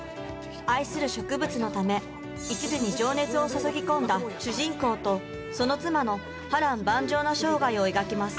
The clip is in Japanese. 愛する植物のためいちずに情熱を注ぎ込んだ主人公とその妻の波乱万丈な生涯を描きます。